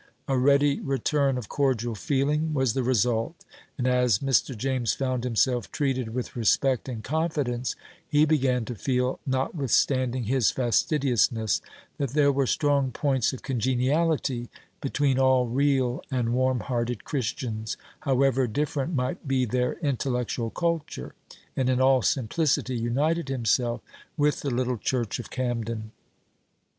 A ready return of cordial feeling was the result; and as Mr. James found himself treated with respect and confidence, he began to feel, notwithstanding his fastidiousness, that there were strong points of congeniality between all real and warm hearted Christians, however different might be their intellectual culture, and in all simplicity united himself with the little church of Camden.